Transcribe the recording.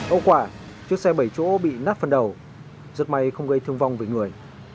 âu quả chiếc xe bảy chỗ bị nát phần đầu giật may không gây thương vong về người